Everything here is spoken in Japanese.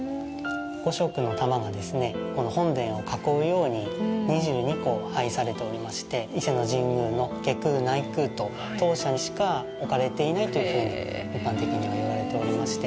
五色の玉がですね、この本殿を囲うように２２個、配されておりまして、伊勢の神宮の外宮、内宮と当社にしか置かれていないというふうに一般的には言われております。